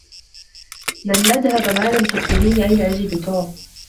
لن أذهب ما لم تخبريني أين أجد توم.